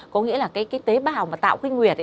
có nghĩa là cái tế bào mà tạo cây nguyệt